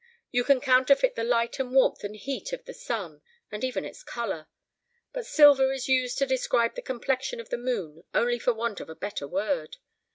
You can counterfeit the light and warmth and heat of the sun, and even its color. But silver is used to describe the complexion of the moon only for want of a better word.